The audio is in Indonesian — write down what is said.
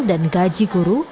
dan gaji guru